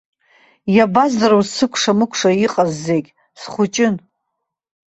Иабаздыруаз сыкәша-мыкәша иҟаз зегь, схәыҷын.